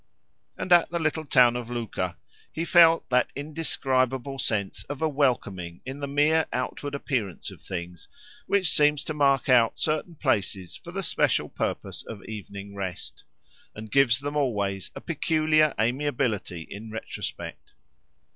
And at the little town of Luca, he felt that indescribable sense of a welcoming in the mere outward appearance of things, which seems to mark out certain places for the special purpose of evening rest, and gives them always a peculiar amiability in retrospect.